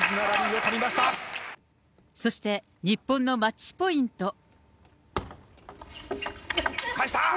そして、日本のマッチポイン返した。